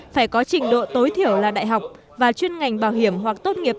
phải có trình độ tối thiểu là đại học và chuyên ngành bảo hiểm hoặc tốt nghiệp